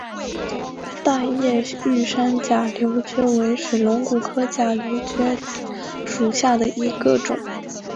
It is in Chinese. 大叶玉山假瘤蕨为水龙骨科假瘤蕨属下的一个种。